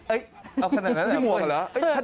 เอ้ยเอาขนาดนั้น